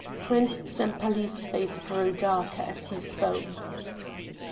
Prince Sempaly's face grew darker as he spoke.